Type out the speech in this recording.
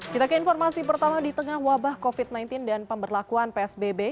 kita ke informasi pertama di tengah wabah covid sembilan belas dan pemberlakuan psbb